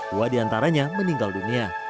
dua di antaranya meninggal dunia